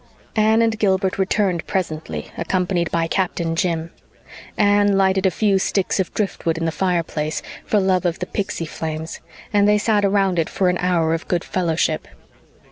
Anne and Gilbert returned presently, accompanied by Captain Jim. Anne lighted a few sticks of driftwood in the fireplace, for love of the pixy flames, and they sat around it for an hour of good fellowship.